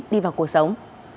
đi vào cuộc sống